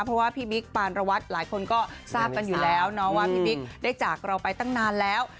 เพราะว่าพี่บิ๊กปานระวัตรหลายคนก็ทราบกันอยู่แล้วเนาะว่าพี่บิ๊กได้จากเราไปตั้งนานแล้ว